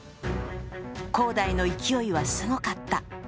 恒大の勢いはすごかった。